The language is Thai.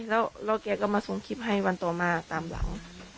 แล้วแกก็มาส่งคลิปให้วันต่อมาตามหลัง